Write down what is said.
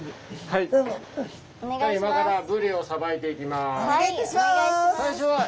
今からブリをさばいていきます。